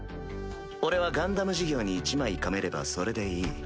俺はガンダム事業に一枚かめればそれでいい。